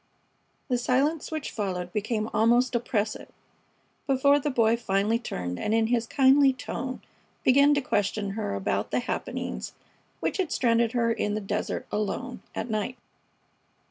The silence which followed became almost oppressive before the Boy finally turned and in his kindly tone began to question her about the happenings which had stranded her in the desert alone at night.